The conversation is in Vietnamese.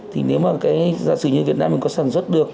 thì nếu mà cái giả sử như việt nam mình có sản xuất được